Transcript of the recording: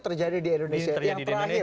terjadi di indonesia itu yang terakhir